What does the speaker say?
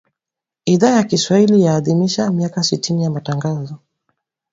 Idhaa ya Kiswahili yaadhimisha miaka sitini ya Matangazo